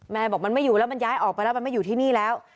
บอกมันไม่อยู่แล้วมันย้ายออกไปแล้วมันไม่อยู่ที่นี่แล้ว